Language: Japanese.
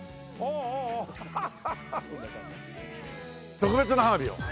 特別な花火を。